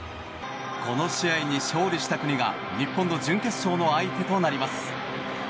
この試合に勝利した国が日本の準決勝の相手となります。